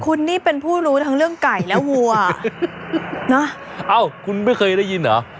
คุณนี่เป็นผู้รู้ทั้งเรื่องไก่และวัวนะเอ้าคุณไม่เคยได้ยินเหรอ